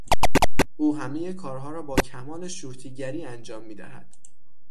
او همهی کارها را با کمال شورتیگری انجام میدهد.